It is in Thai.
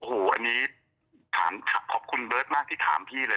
โอ้โหอันนี้ถามขอบคุณเบิร์ตมากที่ถามพี่เลย